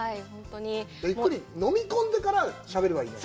ゆっくり飲み込んでからしゃべればいいよ。